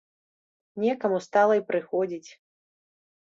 Некаму стала й прыходзіць.